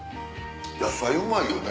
野菜うまいよね。